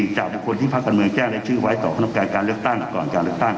จากบุคคลที่ภาคการเมืองแจ้งในชื่อไว้ต่อคณะกรรมการการเลือกตั้งก่อนการเลือกตั้ง